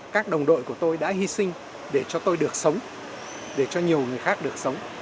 các đồng đội của tôi đã hy sinh để cho tôi được sống để cho nhiều người khác được sống